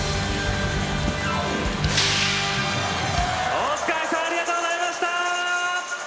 大塚愛さんありがとうございました。